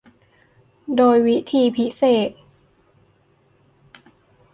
โดยวิธีพิเศษ